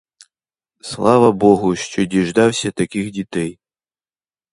Слава богу, що діждався таких дітей!